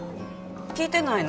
聞いてないの？